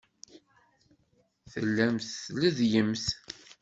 Tellamt tleddyemt.